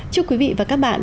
chúc quý vị và các bạn